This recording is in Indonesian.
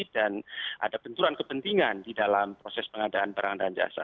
dan ada benturan kepentingan di dalam proses pengadaan perantahan jasa